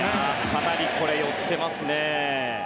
かなり寄っていますね。